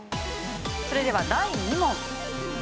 それでは第２問。